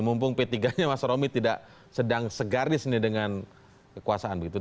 mumpung p tiga nya mas romi tidak sedang segaris nih dengan kekuasaan begitu